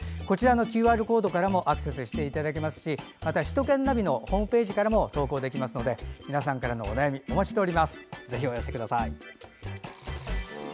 ＱＲコードからもアクセスしていただけますし首都圏ナビのホームページからも投稿できますので皆さんからのお悩みお待ちしております。